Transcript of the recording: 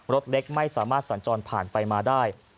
รถเล็กไม่สามารถสัญจรผ่านไปมาได้